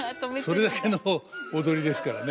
それだけの踊りですからね。